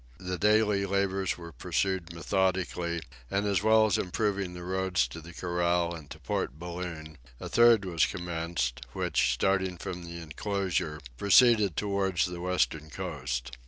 The daily labors were pursued methodically, and, as well as improving the roads to the corral and to Port Balloon, a third was commenced, which, starting from the enclosure, proceeded towards the western coast.